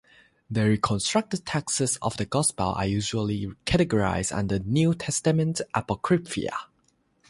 The reconstructed texts of the gospels are usually categorized under New Testament Apocrypha.